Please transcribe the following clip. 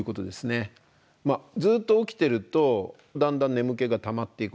ずっと起きてるとだんだん眠気がたまっていくわけですね。